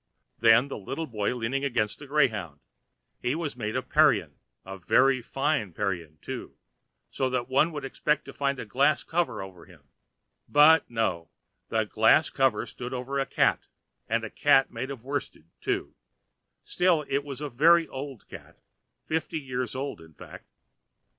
Then the little boy leaning against a greyhound; he was made of Parian, very fine Parian, too, so that one would expect to find a glass cover over him: but no, the glass cover stood over a cat and a cat made of worsted, too: still it was a very old cat, fifty years old in fact.